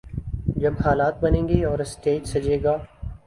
جب حالات بنیں گے اور سٹیج سجے گا۔